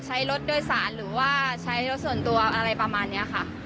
ใช้รถโดยสารหรือว่าใช้รถส่วนตัวอะไรประมาณนี้ค่ะ